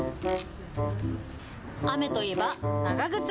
雨といえば長靴。